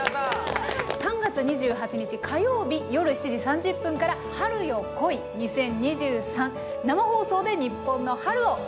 ３月２８日火曜日夜７時３０分から「春よ、来い２０２３」生放送で日本の春をお届けします。